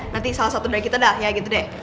nanti salah satu dari kita dah ya gitu deh